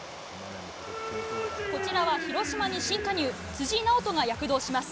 こちらは広島に新加入辻直人が躍動します。